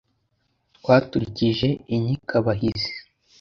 twaturukije inkikabahizi.